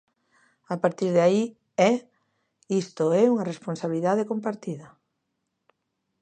A partir de aí, é: isto é unha responsabilidade compartida.